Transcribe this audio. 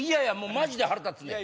マジで腹立つねん。